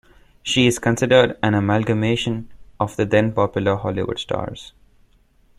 She is considered an amalgamation of the then popular Hollywood stars.